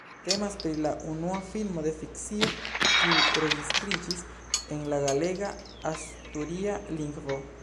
Temas pri la unua filmo de fikcio kiu registriĝis en la galega-asturia lingvo.